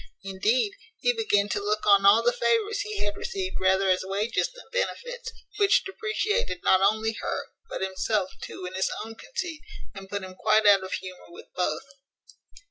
Indeed, he began to look on all the favours he had received rather as wages than benefits, which depreciated not only her, but himself too in his own conceit, and put him quite out of humour with both.